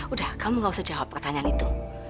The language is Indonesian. udah kamu gak usah jawab pertanyaan itu